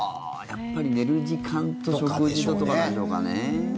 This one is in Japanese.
やっぱり寝る時間と食事だとかなんでしょうかね。